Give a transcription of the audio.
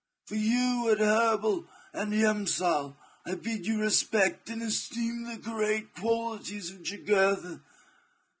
For you, Adherbal and Hiempsal, I bid you respect and esteem the great qualities of Jugurtha.